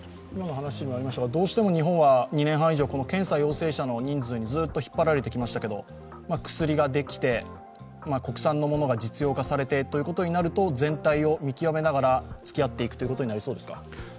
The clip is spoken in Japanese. どうしても日本は２年半以上、検査陽性者の人数にずっと引っ張られてきましたけれども、薬ができて、国産のものが実用化されていくと、全体を見極めながらつきあっていくということになりそうですか？